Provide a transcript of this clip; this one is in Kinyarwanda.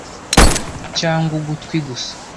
Cyangwa ugutwi gusa,